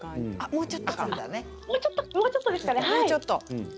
もうちょっとですね。